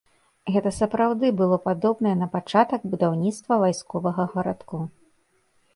Гэта сапраўды было падобнае на пачатак будаўніцтва вайсковага гарадку.